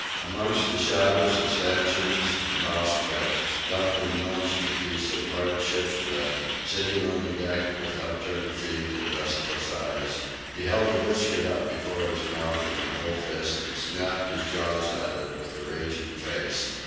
Amongst the shadows of stanchions and bowsprit, Donkin munched a piece of hard ship's bread, sitting on the deck with upturned feet and restless eyes; he held the biscuit up before his mouth in the whole fist and snapped his jaws at it with a raging face.